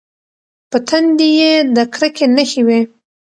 په تندي یې د کرکې نښې وې.